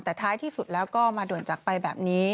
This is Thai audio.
แต่ท้ายที่สุดแล้วก็มาด่วนจากไปแบบนี้